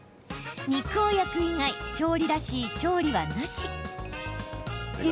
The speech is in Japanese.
肉を焼く以外調理らしい調理はなし。